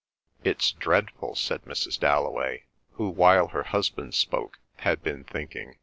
"It's dreadful," said Mrs. Dalloway, who, while her husband spoke, had been thinking.